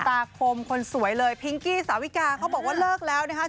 คมคนสวยเลยพิงกี้สาวิกาเขาบอกว่าเลิกแล้วนะคะ